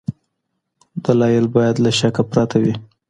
دلایل باید له شک پرته وي.